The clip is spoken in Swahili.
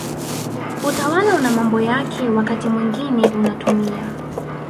Utawala una mambo yake wakati mwingine unatumia